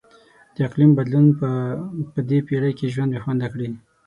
د اقلیم بدلون به په دې پیړۍ کې ژوند بیخونده کړي.